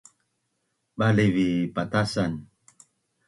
Baliv’vi patasan